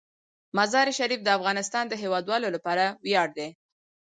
مزارشریف د افغانستان د هیوادوالو لپاره ویاړ دی.